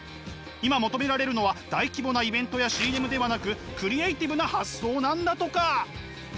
今求められるのは大規模なイベントやＣＭではなくクリエーティブな発想なんだとか！